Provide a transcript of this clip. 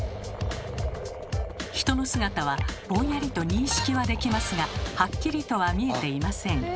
人の姿はぼんやりと認識はできますがはっきりとは見えていません。